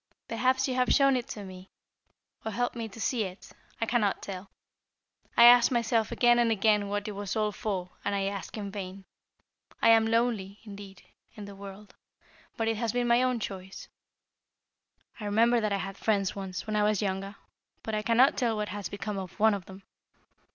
Perhaps you have shown it to me, or helped me to see it. I cannot tell. I ask myself again and again what it was all for, and I ask in vain. I am lonely, indeed, in the world, but it has been my own choice. I remember that I had friends once, when I was younger, but I cannot tell what has become of one of them.